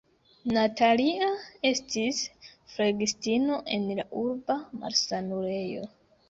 Natalia estis flegistino en la urba malsanulejo.